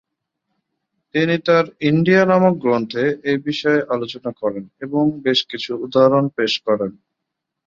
তিনি তার "ইন্ডিয়া" নামক গ্রন্থে এই বিষয়ে আলোচনা করেন এবং বেশ কিছু উদাহরণ পেশ করেন।